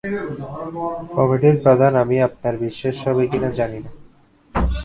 কমিটির প্রধান আমি, আপনার বিশ্বাস হবে কিনা জানিনা।